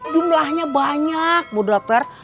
jumlahnya banyak bu dokter